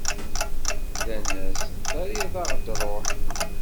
Rran-as: Terriḍ-aɣ-d ṛṛuḥ!